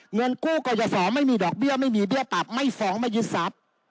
เงินกู้กรยศไม่มีดอกเบี้ยไม่มีเบี้ยปรับไม่ฟ้องไม่ยึดทรัพย์